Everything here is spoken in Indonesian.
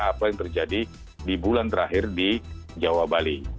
apa yang terjadi di bulan terakhir di jawa bali